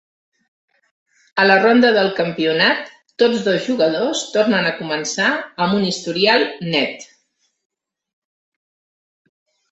A la ronda del campionat, tots dos jugadors tornen a començar amb un historial net.